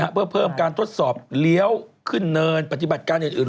เพื่อเพิ่มการทดสอบขึ้นเนินปฏิบัติการเลือด